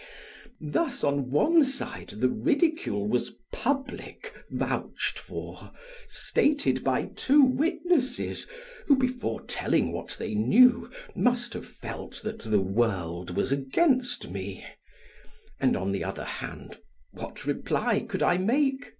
Thus, on one side, the ridicule was public, vouched for, stated by two witnesses who, before telling what they knew, must have felt that the world was against me; and, on the other hand, what reply could I make?